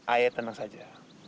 ayah tenang saja